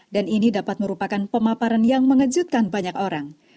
dan ini dapat merupakan pemaparan yang mengejutkan banyak orang